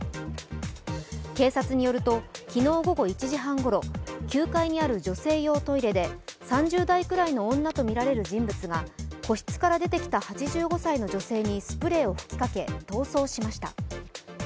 警察によると、昨日午後１時半ごろ、９階にある女性用トイレで３０代くらいの女とみられる人物が個室から出てきた８５歳の女性にスプレーを吹きかけ、逃走しました。